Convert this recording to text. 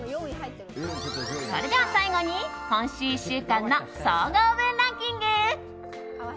それでは最後に今週１週間の総合運ランキング。